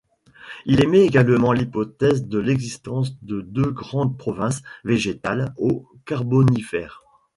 Il émet également l'hypothèse de l'existence de deux grandes provinces végétales au Carbonifère.